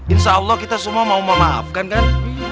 insya allah kita semua mau memaafkan kan